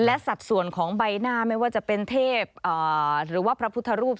และสัดส่วนของใบหน้าไม่ว่าจะเป็นเทพหรือว่าพระพุทธรูป